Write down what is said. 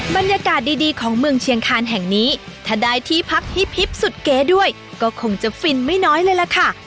บรรยากาศดีของเมืองเชียงคานแห่งนี้ถ้าได้ที่พักฮิปสุดเก๋ด้วยก็คงจะฟินไม่น้อยเลยล่ะค่ะ